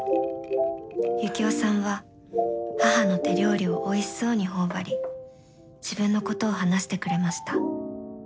ユキオさんは母の手料理をおいしそうに頬張り自分のことを話してくれました。